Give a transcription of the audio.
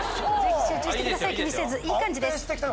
集中してください気にせずいい感じです。